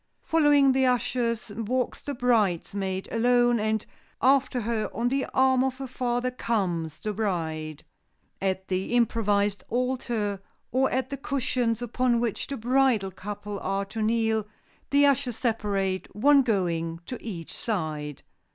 Following the ushers walks the bridesmaid alone, and, after her, on the arm of her father, comes the bride. At the improvised altar, or at the cushions upon which the bridal couple are to kneel, the ushers separate, one going to each side.